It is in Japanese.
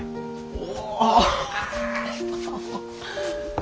お。